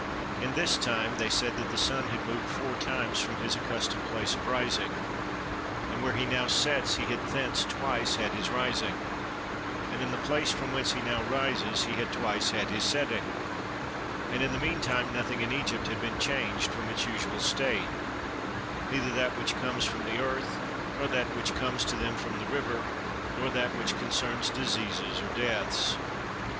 In this time they said that the sun had moved four times from his accustomed place of rising, and where he now sets he had thence twice had his rising, and in the place from whence he now rises he had twice had his setting; and in the meantime nothing in Egypt had been changed from its usual state, neither that which comes from the earth nor that which comes to them from the river nor that which concerns diseases or deaths.